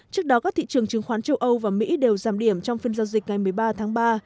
trước đó các thị trường chứng khoán châu âu và mỹ đều giảm điểm trong phiên giao dịch ngày một mươi ba tháng ba